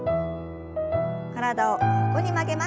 体を横に曲げます。